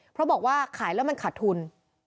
เพราะบอกว่าขายแล้วมันขาดทุน